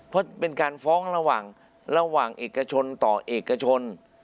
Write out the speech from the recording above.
เพราะเป็นการฟ้องระหว่างระหว่างเอกชนต่อเอกชน